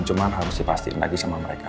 cuman harus dipastikan lagi sama mereka